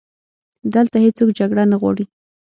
دلته هیڅوک جګړه نه غواړي